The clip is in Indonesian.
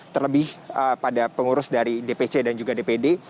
terlebih pada pengurus dari dpc dan juga dpd